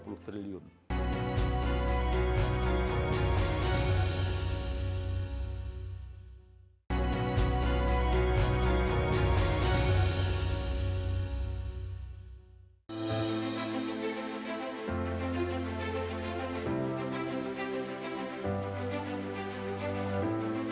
ketiga setelah mengembangkan sawit